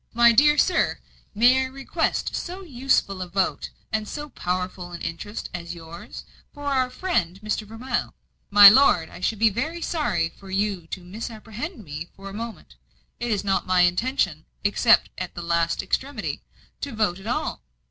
"My dear sir, may I request so useful a vote and so powerful an interest as yours, for our friend, Mr. Vermilye?" "My lord, I should be very sorry for you to misapprehend me for a moment. It is not my intention, except at the last extremity, to vote at all.